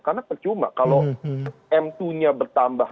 karena tercuma kalau m dua nya bertambah